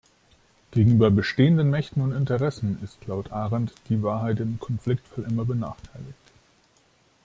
Gegenüber „bestehenden Mächten und Interessen“ ist laut Arendt die Wahrheit im Konfliktfall immer benachteiligt.